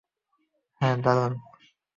হ্যাঁ, দারুণ।